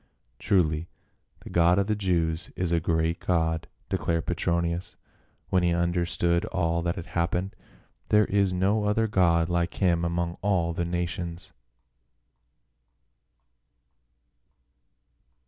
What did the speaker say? "Truly the God of the Jews is a great god," de clared Petronius, when he understood all that had happened. " There is no other god like him among all the nations